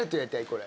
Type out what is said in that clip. これ。